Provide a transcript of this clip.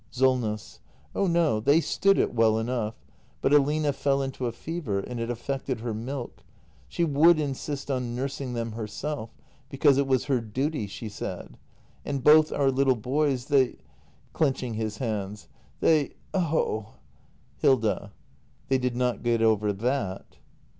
SOLNESS. Oh no, they stood it well enough. But Aline fell into a fever, and it affected her milk. She would insist on nursing them herself; because it was her duty, she said. And both our little boys, they — [Clenching his hands.] — they — oh ! Hilda. They did not get over that?